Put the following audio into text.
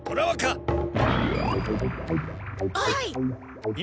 はい。